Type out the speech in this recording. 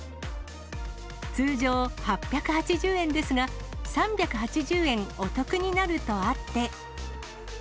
通常８８０円ですが、３８０円お得になるとあって。